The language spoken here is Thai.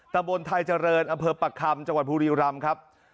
ดำบลถายเจริญอเผพักครํจังหวัดผู้ริยุรัมน์ครับ